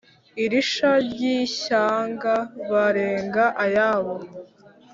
iri sha ry ' ishyanga barenga ayabo,